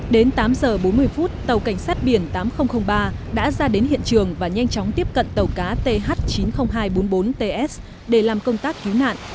đến tám giờ bốn mươi phút tàu cảnh sát biển tám nghìn ba đã ra đến hiện trường và nhanh chóng tiếp cận tàu cá th chín mươi nghìn hai trăm bốn mươi bốn ts để làm công tác cứu nạn